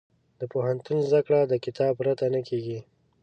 د پوهنتون زده کړه د کتاب پرته نه کېږي.